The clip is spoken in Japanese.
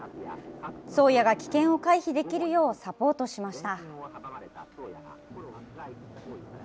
宗谷が危険を回避できるようサポートしました。